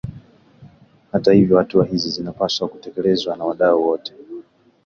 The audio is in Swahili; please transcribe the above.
Hata hivyo hatua hizi zinapaswa kutekelezwa na wadau wote